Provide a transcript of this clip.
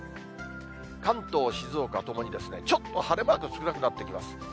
関東、静岡ともにちょっと晴れマーク少なくなってきます。